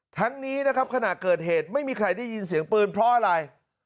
ทั้งนี้นะครับขณะเกิดเหตุไม่มีใครได้ยินเสียงปืนเพราะอะไร